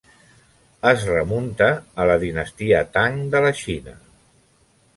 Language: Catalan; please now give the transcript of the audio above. Es remunta a la dinastia Tang de la Xina.